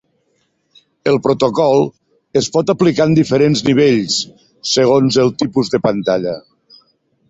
El protocol es pot aplicar en diferents nivells segons el tipus de pantalla.